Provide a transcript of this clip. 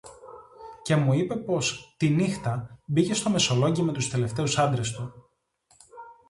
Και μου είπε, πώς τη νύχτα, μπήκε στο Μεσολόγγι με τους τελευταίους άντρες του.